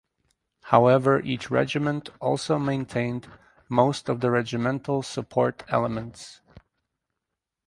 However each regiment also maintained most of the regimental support elements.